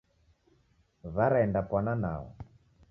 W'araendapwana nao.